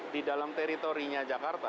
di dalam teritorinya jakarta